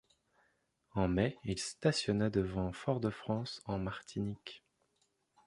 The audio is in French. En mai, il stationna devant Fort de France, en Martinique.